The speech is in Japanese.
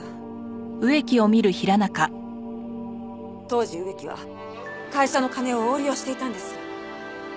当時植木は会社の金を横領していたんです。